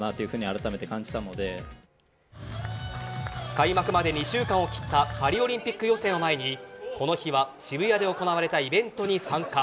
開幕まで２週間を切ったパリオリンピック予選を前にこの日は渋谷で行われたイベントに参加。